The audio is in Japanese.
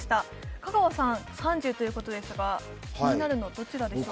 香川さん、３０ということですが気になるのはどちらでしょうか？